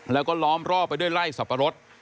แล้วก็ล้อมรอบไปด้วยไล่สับปะรด